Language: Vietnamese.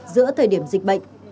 giữa thời điểm dịch bệnh